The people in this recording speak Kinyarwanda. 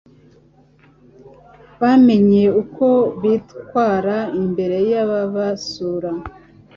bamenye uko bitwara imbere y'ababasura